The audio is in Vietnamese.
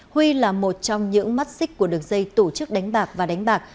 huy là một trong những mắt xích của đường dây tổ chức đánh bạc và đánh bạc